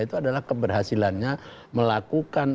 itu adalah keberhasilannya melakukan